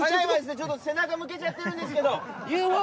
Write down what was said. ちょっと背中向けちゃってるんですけどＵＦＯ